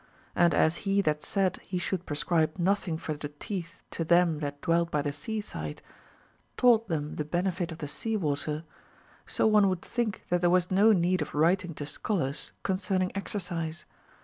And as he that said he sliould prescribe nothing for the teeth to them that dwelt by the seaside taught them the benefit of the sea water, so one would think that there was no need of writing to scholars con cerning exercise.